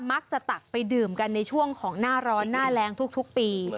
ตักไปดื่มกันในช่วงของหน้าร้อนหน้าแรงทุกปี